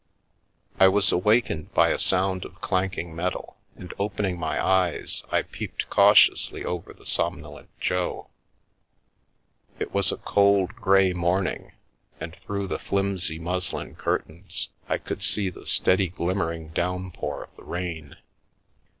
I was awakened by a sound of clanking metal, and opening my eyes, I peeped cautiously over the somno lent Jo. It was a cold, grey morning, and through the flimsy muslin curtains I could see the steady glimmering downpour of the rain.